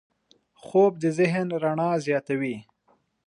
خوب د ذهن رڼا زیاتوي